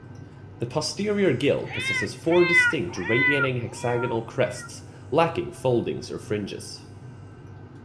The posterior gill possesses four distinct radiating hexagonal crests lacking foldings or fringes.